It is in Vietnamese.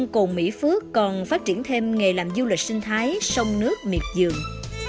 cồn mỹ phước còn phát triển thêm nghề làm du lịch sinh thái sông nước miệt dường